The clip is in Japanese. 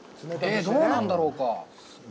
どうなんだろうか。